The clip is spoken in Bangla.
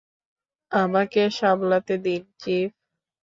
আমাকে সামলাতে দিন, চিফ।